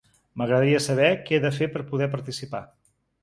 M'agradaria saber que he de fer per poder participar.